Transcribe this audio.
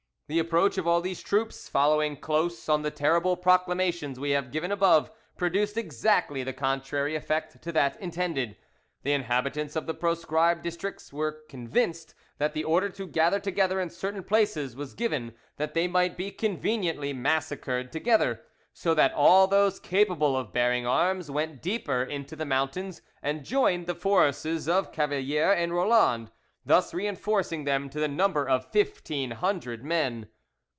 The approach of all these troops following close on the terrible proclamations we have given above, produced exactly the contrary effect to that intended. The inhabitants of the proscribed districts were convinced that the order to gather together in certain places was given that they might be conveniently massacred together, so that all those capable of bearing arms went deeper into the mountains, and joined the forces of Cavalier and Roland, thus reinforcing them to the number of fifteen hundred men.